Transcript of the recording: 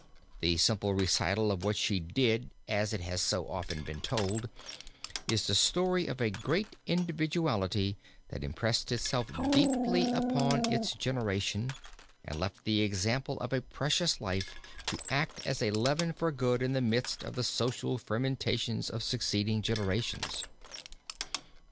The simple recital of what she did as it has often been told, is the story of a great individuality that impressed itself deeply upon its generation and left the example of a precious life to act as a leaven for good in the midst of the social fermentations of succeeding generations.